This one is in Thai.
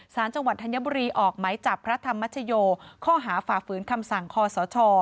สารจังหวัดธัญบุรีออกไหมจับพระธรรมชโยข้อหาฝ่าฝืนคำสั่งคอสช